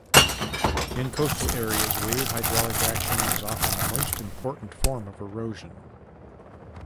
In coastal areas wave hydraulic action is often the most important form of erosion.